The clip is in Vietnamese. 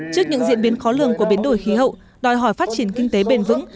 trước những diễn biến khó lường của biến đổi khí hậu đòi hỏi phát triển kinh tế bền vững